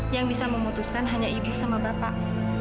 yang bisa memutuskan hanya ibu sama bapak